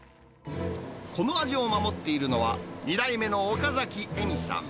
この味を守っているのは、２代目の岡崎恵美さん。